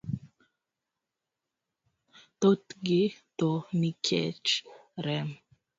Thothgi tho nikech rem.